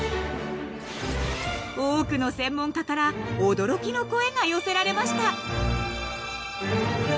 ［多くの専門家から驚きの声が寄せられました］